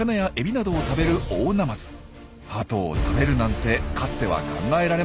ハトを食べるなんてかつては考えられませんでした。